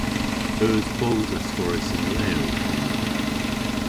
Eus boos askorrys yn leel omma?